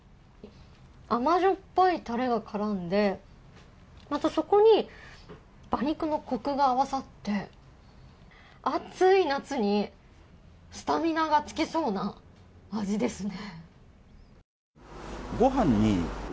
甘じょっぱいタレが絡んでそこに馬肉のコクが合わさって暑い夏にスタミナがつきそうな味ですね。